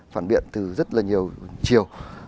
phản biện từ rất là nhiều chiều